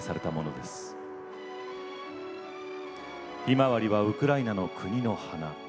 ひまわりはウクライナの国の花。